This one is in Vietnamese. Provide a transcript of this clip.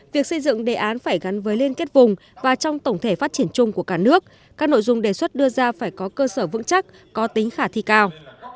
việc xây dựng đề án phải gắn với liên kết vùng và trong tổng thể phát triển chung của cả nước các nội dung đề xuất đưa ra phải có cơ sở vững chắc có tính khả thi cao